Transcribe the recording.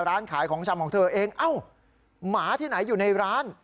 ร้านขายของชำของเธอเองเอ้าหมาที่ไหนอยู่ในร้าน